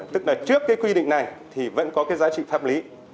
tức là trước cái quy định này thì vẫn có cái giá trị pháp lý